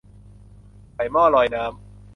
ใส่หม้อลอยน้ำ